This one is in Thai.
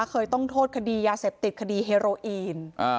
เคยต้องโทษคดียาเสพติดคดีเฮโรอีน